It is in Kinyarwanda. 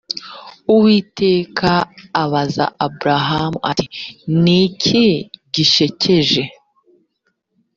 uwiteka abaza aburahamu ati ni iki gishekeje